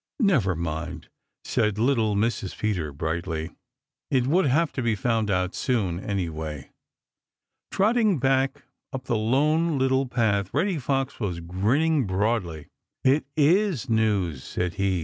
"Never mind," said little Mrs. Peter brightly. "It would have to be found out soon, anyway." Trotting back up the Lone Little Path, Reddy Fox was grinning broadly. "It IS news!" said he.